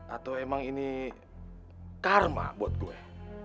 atau emang ini karma buat gue